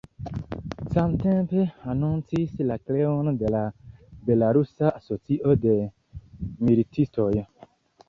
Samtempe anoncis la kreon de la belarusa asocio de militistoj.